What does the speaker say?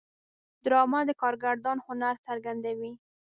ډرامه د کارگردان هنر څرګندوي